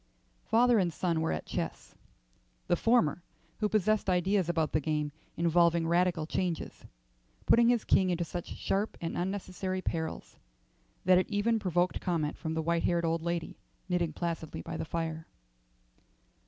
Father and son were at chess, the former, who possessed ideas about the game involving radical changes, putting his king into such sharp and unnecessary perils that it even provoked comment from the white haired old lady knitting placidly by the fire.